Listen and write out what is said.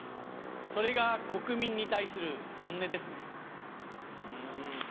それが国民に対する本音ですね。